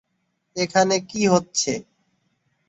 এখানে কি হচ্ছে?